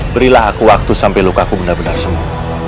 berilah aku waktu sampai lukaku benar benar sembuh